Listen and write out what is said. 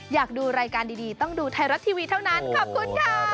อยากดูรายการดีต้องดูไทยรัฐทีวีเท่านั้นขอบคุณค่ะ